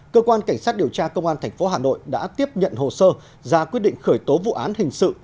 cơ quan cảnh sát điều tra công an tp hà nội đã tiếp nhận hồ sơ ra quyết định khởi tố vụ án hình sự